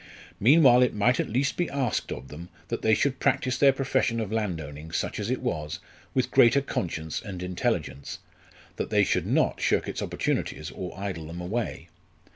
Meanwhile it might at least be asked of them that they should practise their profession of landowning, such as it was, with greater conscience and intelligence that they should not shirk its opportunities or idle them away.